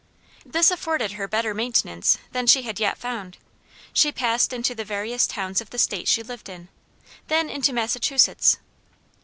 This afforded her better maintenance than she had yet found. She passed into the various towns of the State she lived in, then into Massachusetts.